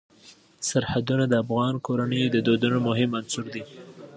سرحدونه د افغان کورنیو د دودونو مهم عنصر دی.